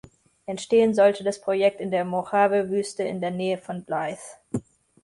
Entstehen sollte das Projekt in der Mojave-Wüste in der Nähe von Blythe.